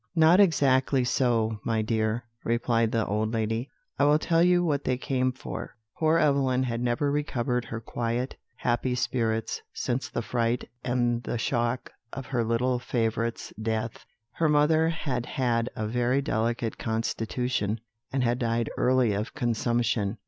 "Not exactly so, my dear," replied the old lady; "I will tell you what they came for. Poor Evelyn had never recovered her quiet, happy spirits since the fright and the shock of her little favourite's death. Her mother had had a very delicate constitution, and had died early of consumption.